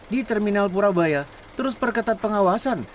di terminal purabaya terus perketat pengawasan